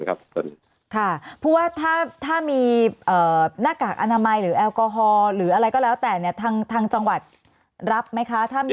เพราะว่าถ้ามีหน้ากากอนามัยหรือแอลกอฮอล์หรืออะไรก็แล้วแต่เนี่ยทางจังหวัดรับไหมคะ